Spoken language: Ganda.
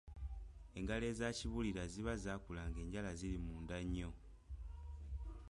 Engalo eza kibulira ziba zaakula ng’enjala ziri munda nnyo.